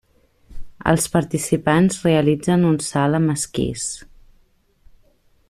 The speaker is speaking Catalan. Els participants realitzen un salt amb esquís.